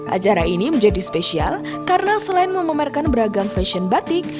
acara ini menjadi spesial karena selain memamerkan beragam fashion batik